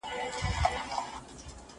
زه اجازه لرم چي کالي وچوم؟